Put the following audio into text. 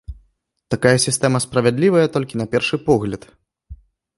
Такая сістэма справядлівая толькі на першы погляд.